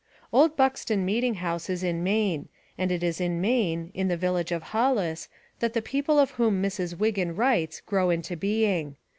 Old Buxton Meeting House is in Maine, and it is in Maine, in the village of Hollis, that the people of whom Mrs. Wiggin writes grow into being.